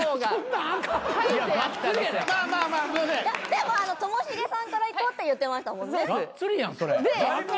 でもともしげさんから行こうって言ってましたもんね。